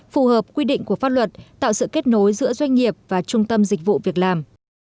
phù hợp quy định của pháp luật tạo sự kết nối giữa doanh nghiệp và trung tâm dịch vụ việc làm